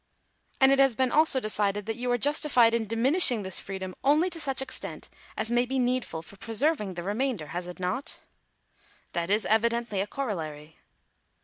"And it has been also decided that you are justified in diminishing this freedom only to such extent as may be needful for preserving the remainder, has it not ?"" That is evidently a corollary."